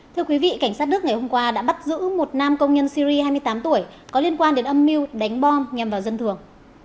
thưa quý vị cảnh sát đức ngày hôm qua đã bắt giữ một nam công nhân syri hai mươi tám tuổi có liên quan đến âm mưu đánh bom nhằm vào dân thường